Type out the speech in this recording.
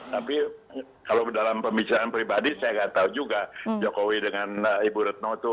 tapi kalau dalam pembicaraan pribadi saya nggak tahu juga jokowi dengan ibu retno itu